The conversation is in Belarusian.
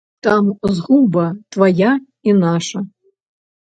Там згуба твая і наша.